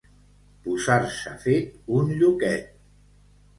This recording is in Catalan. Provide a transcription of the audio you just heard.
Posar-se fet un lluquet.